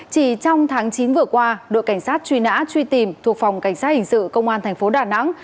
chỉ trong tháng chín vừa qua đội cảnh sát truy nã truy tìm thuộc phòng cảnh sát hình sự công an thành phố đà nẵng